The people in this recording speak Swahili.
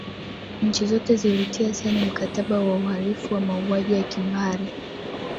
nchi zote zilitia saini mkataba wa uharifu wa mauaji ya kimbari